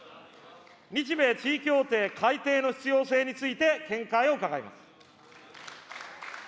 日米地位協定改定の必要性について見解を伺います。